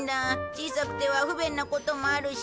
小さくては不便なこともあるし。